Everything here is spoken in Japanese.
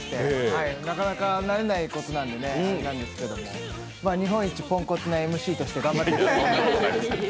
なかなか慣れないところなんであれですけれども、日本一ポンコツなＭＣとして頑張りたいと思います。